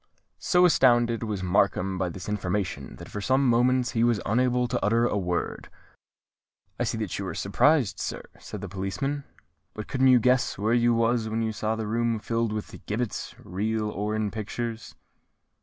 So astounded was Markham by this information, that for some moments he was unable to utter a word. "I see that you are surprised, sir," said the policeman; "but couldn't you guess where you was when you saw the room filled with gibbets, real or in pictures?"